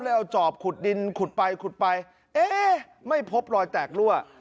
แล้วเอาจอบขุดดินขุดไปเอ๊ะไม่พบรอยแตกรั่ว